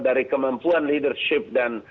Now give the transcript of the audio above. dari kemampuan leadership dan